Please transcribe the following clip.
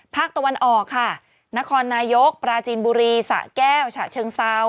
ภาคตะวันออกค่ะนครนายกปราจีนบุรีสะแก้วฉะเชิงเซา